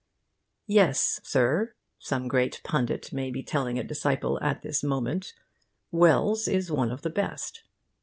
'Yes, Sir,' some great pundit may be telling a disciple at this moment, 'Wells is one of the best.